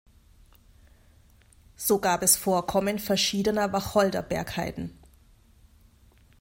So gab es Vorkommen verschiedener Wacholder-Bergheiden.